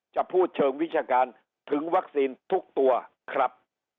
จะพูดเชิงวิชาการถึงวัคซีนทุกตัวครับ